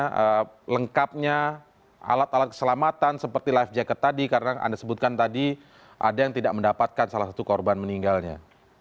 bagaimana lengkapnya alat alat keselamatan seperti life jacket tadi karena anda sebutkan tadi ada yang tidak mendapatkan salah satu korban meninggalnya